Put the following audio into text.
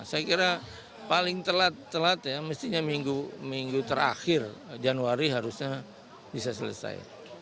saya kira paling telat telat ya mestinya minggu terakhir januari harusnya bisa selesai